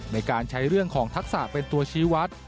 ในการใช้เรื่องของทักษะเป็นตัวชี้วัด